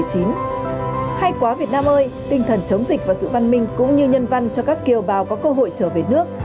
hay quá việt nam ơi tinh thần chống dịch và sự văn minh cũng như nhân văn cho các kiều bào có cơ hội trở về nước